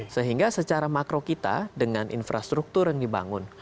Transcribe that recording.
sehingga secara makro kita dengan infrastruktur yang dibangun